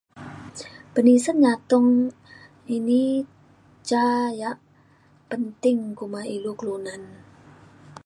penisen nyatung ini ca yak penting kuma ilu kelunan